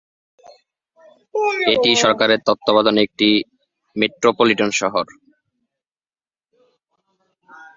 এটি সরকারের তত্ত্বাবধানে থাকা একটি মেট্রোপলিটন শহর।